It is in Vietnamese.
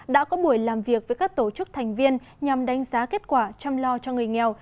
đã có buổi làm việc với các tổ chức thành viên nhằm đánh giá kết quả chăm lo cho người nghèo